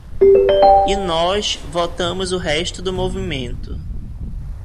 E nós votamos o resto do movimento.